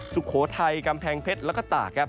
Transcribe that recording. สุโขทัยกำแพงเพชรและก็ตาก